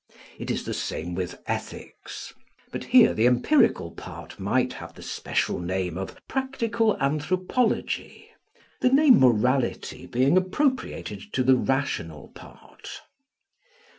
It is the same with Ethics; but here the empirical part might have the special name of practical anthropology, the name morality being appropriated to the rational part.